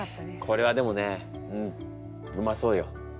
これはでもねうまそうよ。